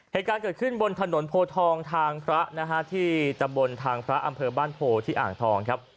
เหตุการณ์เกิดขึ้นบนถนนโพทองทางพระนะฮะที่ตำบลทางพระอำเภอบ้านโพที่อ่างทองครับ